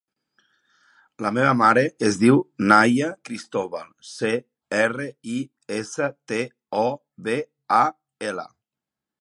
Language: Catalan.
La meva mare es diu Nahia Cristobal: ce, erra, i, essa, te, o, be, a, ela.